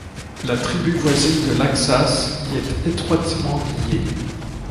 La tribu voisine de Lakhsass y est étroitement liée.